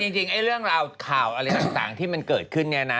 จริงเรื่องราวข่าวอะไรต่างที่มันเกิดขึ้นเนี่ยนะ